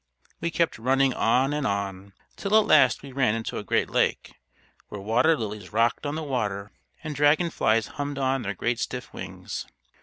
We kept running on and on, till at last we ran into a great lake, where water lilies rocked on the water and dragon flies hummed on their great stiff wings.